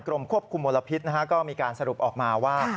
ควบคุมมลพิษก็มีการสรุปออกมาว่า